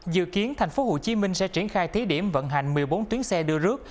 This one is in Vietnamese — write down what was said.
dự kiến thành phố hồ chí minh sẽ triển khai thí điểm vận hành một mươi bốn tuyến xe đưa rước